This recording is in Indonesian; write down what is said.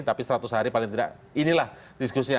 tapi seratus hari paling tidak inilah diskusinya